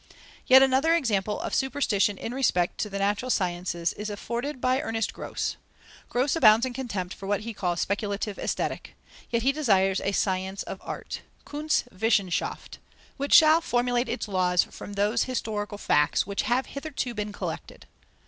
Another example of superstition in respect to the natural sciences is afforded by Ernest Grosse. Grosse abounds in contempt for what he calls speculative Aesthetic. Yet he desires a Science of Art (Kunstwissenschaft), which shall formulate its laws from those historical facts which have hitherto been collected.